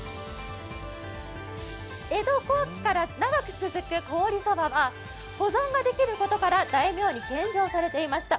江戸後期から長く続く凍りそばは保存ができることから大名に献上されていました。